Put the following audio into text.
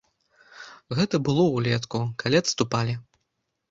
Гэта было ўлетку, калі адступалі.